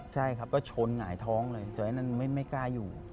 ใช่ครับก็ชนหงายท้องเลยแต่ไอ้นั่นไม่กล้าอยู่